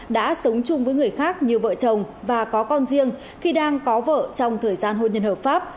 đã sống chung với người khác như vợ chồng và có con riêng khi đang có vợ trong thời gian hôn nhân hợp pháp